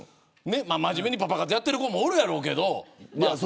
真面目にパパ活やってる子もいるだろうけど。